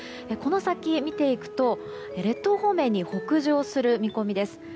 この先、見ていくと列島方面に北上する見込みです。